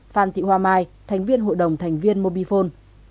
phan thị hoa mai thánh viên hội đồng thánh viên mobifone